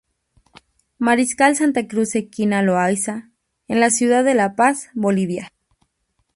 Mariscal Santa Cruz esquina Loayza, en la ciudad de La Paz, Bolivia.